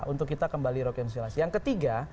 untuk kita kembali rekonsilasi yang ketiga